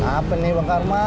perasaan apa nih bang karma